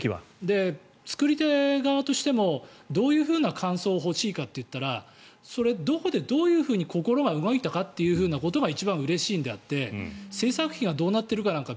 作り手側としてもどういう感想をほしいかと言ったらそれ、どこでどういうふうに心が動いたかということが一番うれしいのであって制作費がどうなっているかなんて